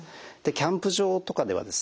キャンプ場とかではですね